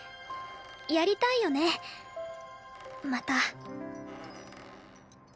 やりたいよねまた。